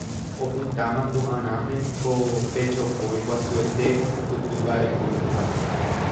Opyta mandu'arãme niko pe jopói guasuete ohupytyva'ekue